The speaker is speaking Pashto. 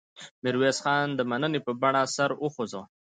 میرویس خان د مننې په بڼه سر وخوځاوه.